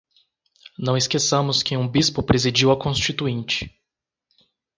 Não esqueçamos que um bispo presidiu a Constituinte